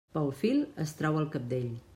Pel fil es trau el cabdell.